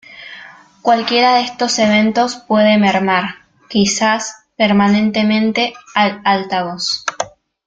Cualquiera de estos eventos puede mermar, quizá permanentemente, al altavoz.